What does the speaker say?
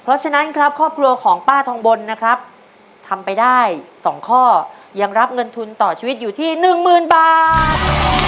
เพราะฉะนั้นครับครอบครัวของป้าทองบนนะครับทำไปได้๒ข้อยังรับเงินทุนต่อชีวิตอยู่ที่หนึ่งหมื่นบาท